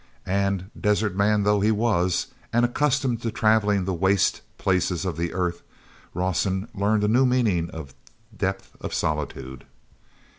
And, desert man though he was and accustomed to traveling the waste places of the earth, Rawson learned a new meaning and depth of solitude.